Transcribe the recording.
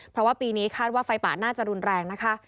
เพราะว่าปีนี้คาดว่าไฟป่าน่าจะรุนแรงนะคะ